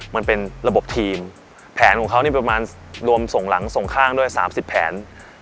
มันเป็นระบบทีมแผนของเขานี่ประมาณรวมส่งหลังส่งข้างด้วย๓๐แผน